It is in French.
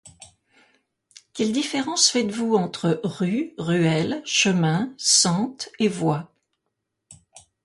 Quelle différence faites vous entre : Rue, ruelle, chemin, sente, et voie ?